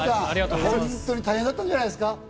大変だったんじゃないですか？